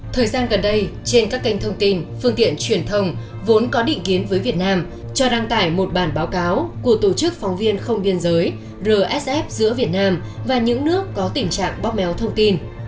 thời gian gần đây trên các kênh thông tin phương tiện truyền thông vốn có định kiến với việt nam cho đăng tải một bản báo cáo của tổ chức phóng viên không biên giới rsf giữa việt nam và những nước có tình trạng bóp méo thông tin